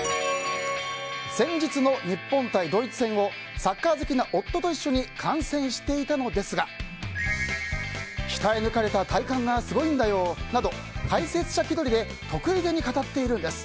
先日の日本対ドイツ戦をサッカー好きな夫と観戦していたのですが鍛え抜かれた体幹がすごいんだよなど解説者気取りで得意げに語っているんです。